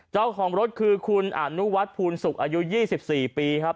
เจ้าของรถคือคุณอนุวัฒนภูลศุกร์อายุ๒๔ปีครับ